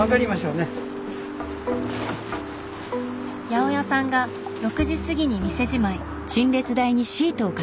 八百屋さんが６時過ぎに店じまい。